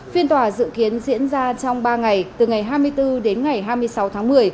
phiên tòa dự kiến diễn ra trong ba ngày từ ngày hai mươi bốn đến ngày hai mươi sáu tháng một mươi